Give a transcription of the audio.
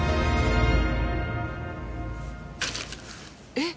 えっ？